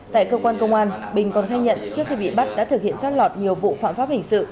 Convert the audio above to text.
tại cơ quan công an bình còn khai nhận trước khi bị bắt đã thực hiện trót lọt nhiều vụ phạm pháp hình sự